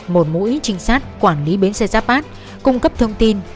một mũi trinh sát quản lý bến xe giáp bát cung cấp thông tin